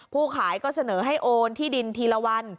ผู้ขายก็เสนอให้โอนที่ดินทีละวัน